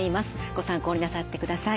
ご参考になさってください。